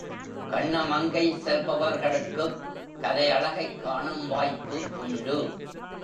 கண்ணமங்கை செல்பவர்களுக்குக் கலையழகைக் காணும் வாய்ப்பு உண்டு.